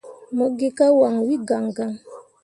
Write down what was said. Mo gi ka wanwi gaŋgaŋ.